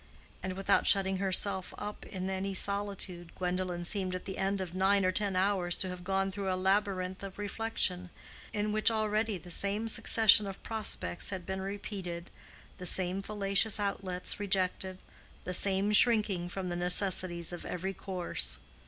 And without shutting herself up in any solitude, Gwendolen seemed at the end of nine or ten hours to have gone through a labyrinth of reflection, in which already the same succession of prospects had been repeated, the same fallacious outlets rejected, the same shrinking from the necessities of every course.